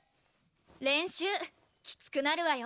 練習きつくなるわよ？